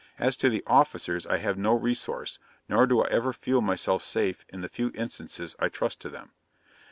As to the officers I have no resource, nor do I ever feel myself safe in the few instances I trust to them.'